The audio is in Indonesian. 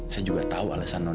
saya juga tahu alasan non